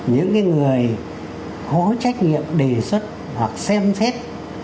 những người có trách nhiệm đề xuất hoặc xem xét